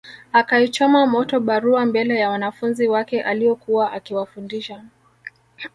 Akaichoma moto barua mbele ya wanafunzi wake aliokuwa akiwafundisha